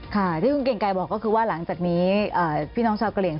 ค่ะที่คุณเกรงไกรบอกก็คือว่าหลังจากนี้พี่น้องชาวกะเหลี่ย